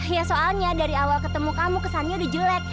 ya soalnya dari awal ketemu kamu kesannya udah jelek